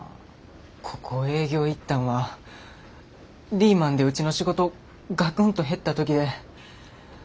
ここ営業行ったんはリーマンでうちの仕事ガクンと減った時で。